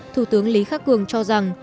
thủ tướng lý khắc cường cho rằng